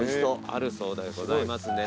あるそうでございますんでね